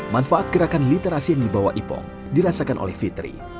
manfaat gerakan literasi yang dibawa ipong dirasakan oleh fitri